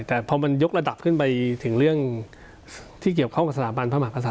แต่พอมันยกระดับขึ้นไปถึงเรื่องที่เกี่ยวข้องกับสถาบันพระมหากษัตว